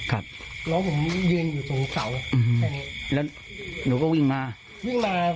ครับแล้วผมยืนอยู่ตรงเสาอืมแค่นี้แล้วหนูก็วิ่งมาวิ่งมา